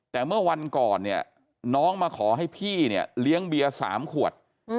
แต่เมื่อวันก่อนเนี่ยน้องมาขอให้พี่เนี่ยเลี้ยงเบียร์๓ขวด